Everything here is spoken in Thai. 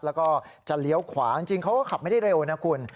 แล้วก็จะเลี้ยวขวาจริงเขาก็ขับไม่ได้เร็วนะคุณ